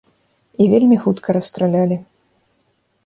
І вельмі хутка расстралялі.